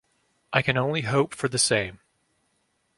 I can only hope for the same.